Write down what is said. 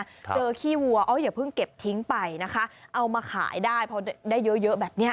เจอขี้วัวอย่าเพิ่งเก็บทิ้งไปนะคะเอามาขายได้เพราะได้เยอะเยอะแบบเนี้ย